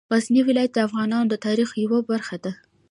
غزني ولایت د افغانانو د تاریخ یوه برخه ده.